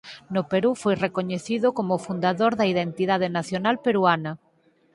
No Perú foi recoñecido como o fundador da identidade nacional peruana.